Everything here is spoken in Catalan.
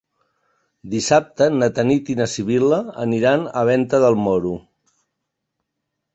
Dissabte na Tanit i na Sibil·la aniran a Venta del Moro.